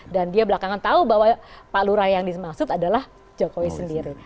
dan dia belakangan tahu bahwa pak lurah yang dimaksud adalah jokowi sendiri